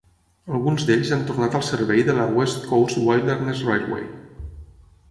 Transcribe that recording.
Alguns d'ells han tornat al servei de la West Coast Wilderness Railway.